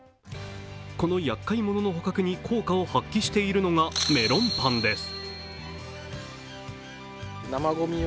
このやっかい者の捕獲に効果を発揮しているのがメロンパンです。